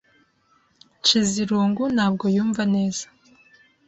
Nshizirungu ntabwo yumva neza.